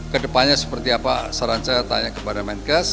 ke depannya seperti apa saran saya tanya kepada menkes